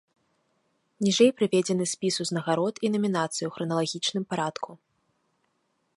Ніжэй прыведзены спіс узнагарод і намінацый у храналагічным парадку.